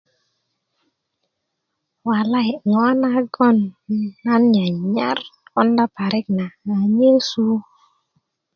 walayi' ŋo' nagon nan nyanyar konda parik na a nyesu